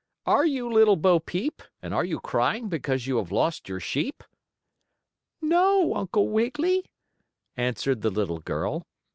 Are you Little Bo Peep, and are you crying because you have lost your sheep?" "No, Uncle Wiggily," answered the little girl.